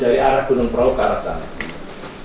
dari gunung prau ke arah sana